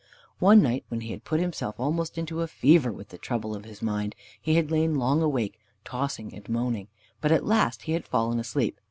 One night, when he had put himself almost into a fever with the trouble of his mind, he had lain long awake, tossing and moaning, but at last he had fallen asleep.